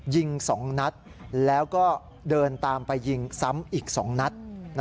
ยิง๒นัดแล้วก็เดินตามไปยิงซ้ำอีก๒นัด